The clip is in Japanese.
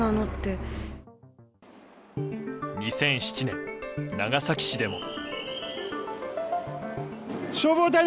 ２００７年、長崎市でも。